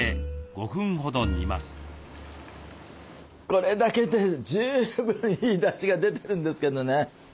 これだけで十分いいだしが出てるんですけどね